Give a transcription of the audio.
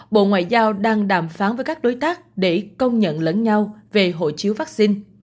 bộ ngoại giao đang đàm phán với các đối tác để công nhận lẫn nhau về hộ chiếu vaccine